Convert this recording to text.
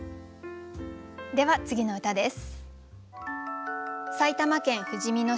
では次の歌です。